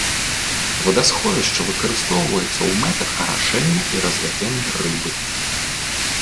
Вадасховішча выкарыстоўваецца ў мэтах арашэння і развядзення рыбы.